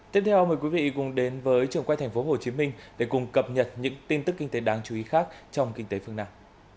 tiếp theo mời quý vị cùng đến với trường quay tp hcm để cùng cập nhật những tin tức kinh tế đáng chú ý khác trong kinh tế phương nam